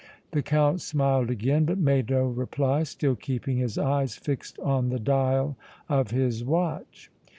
The Count smiled again, but made no reply, still keeping his eyes fixed on the dial of his watch.